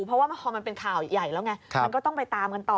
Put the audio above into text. เพราะว่าพอมันเป็นข่าวใหญ่แล้วไงมันก็ต้องไปตามกันต่อ